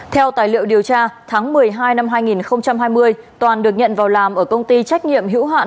theo tài liệu điều tra tháng một mươi hai năm hai nghìn hai mươi toàn được nhận vào làm ở công ty trách nhiệm hữu hạn